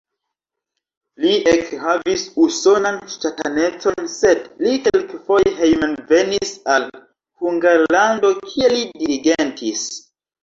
Li ekhavis usonan ŝtatanecon, sed li kelkfoje hejmenvenis al Hungarlando, kie li dirigentis.